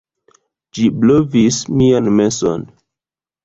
Ĝi blovis mian menson.